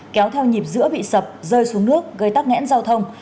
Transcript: kéo theo nhịp giữa bị sập rơi xuống nước gây tắt ngẽn giao thông